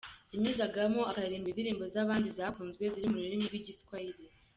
yanyuzagamo akaririmba indirimbo z’abandi zakunzwe ziri mu rurimi rw’Igiswahili